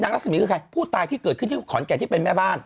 รัศมีคือใครผู้ตายที่เกิดขึ้นที่ขอนแก่นที่เป็นแม่บ้าน